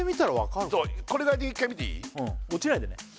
うん落ちないでね